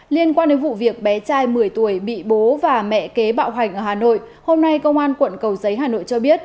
liên quan đến vụ việc bé trai một mươi tuổi bị bố và mẹ kế bạo hành ở hà nội hôm nay công an quận cầu giấy hà nội cho biết